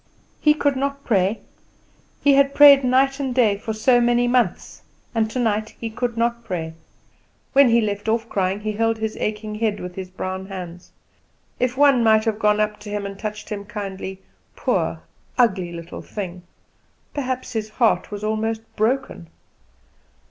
He could not pray; he had prayed night and day for so many months; and tonight he could not pray. When he left off crying, he held his aching head with his brown hands. If one might have gone up to him and touched him kindly; poor, ugly little thing! Perhaps his heart was almost broken.